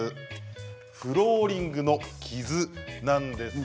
フローリングの傷です。